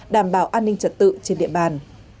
đảm bảo an ninh trật tự trên địa bàn